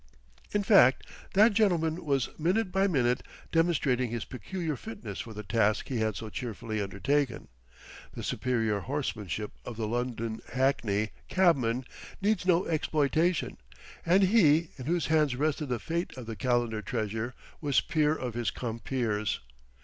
In fact that gentleman was minute by minute demonstrating his peculiar fitness for the task he had so cheerfully undertaken. The superior horsemanship of the London hackney cabman needs no exploitation, and he in whose hands rested the fate of the Calendar treasure was peer of his compeers.